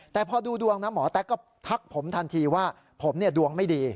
แต่พอดูดวงนะหมอแต๊กก็ทักผมทันทีว่าผมดวงไม่ดี